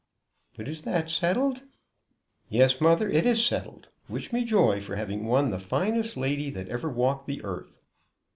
"But is that settled?" "Yes, mother; it is settled. Wish me joy for having won the finest lady that ever walked the earth."